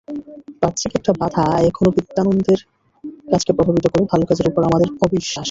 বাহ্যিক একটা বাধা এখনো বিদ্যানন্দের কাজকে প্রভাবিত করে—ভালো কাজের ওপর আমাদের অবিশ্বাস।